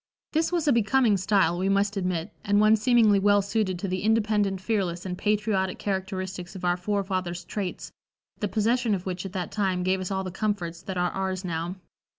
This was a becoming style we must admit, and one seemingly well suited to the independent, fearless and patriotic characteristics of our forefathers' traits, the possession of which at that time gave us all the comforts that are ours now.